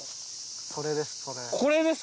それですそれです。